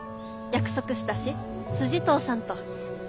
約束したし筋通さんと。